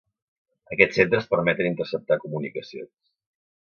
Aquests centres permeten interceptar comunicacions.